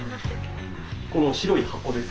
この白い箱ですね。